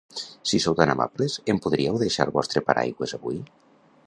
Si sou tan amables, em podríeu deixar el vostre paraigües avui?